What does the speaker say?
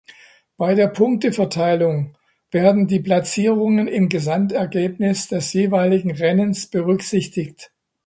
Bei der Punkteverteilung werden die Platzierungen im Gesamtergebnis des jeweiligen Rennens berücksichtigt.